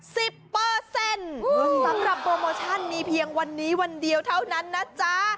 สำหรับโปรโมชั่นมีเพียงวันนี้วันเดียวเท่านั้นนะจ๊ะ